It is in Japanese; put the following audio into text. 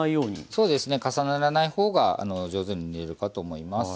そうですね重ならない方が上手に煮えるかと思います。